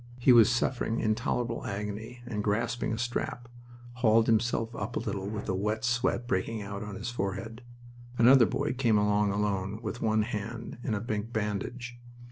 He was suffering intolerable agony, and, grasping a strap, hauled himself up a little with a wet sweat breaking out on his forehead. Another boy came along alone, with one hand in a big bandage.